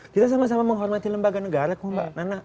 kita sama sama menghormati lembaga negara